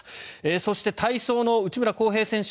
そして、体操の内村航平選手